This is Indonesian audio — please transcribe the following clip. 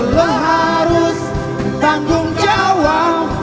lo harus tanggung jawab